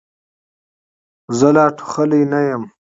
زه لا ټوخلې نه یم.